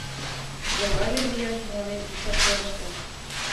Логале лияш мыланем ик пачерыште.